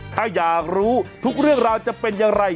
ถ้าอยากรู้ทุกเรื่องราวจะเป็นอย่างไร